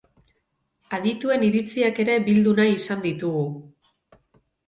Adituen iritziak ere bildu nahi izan ditugu.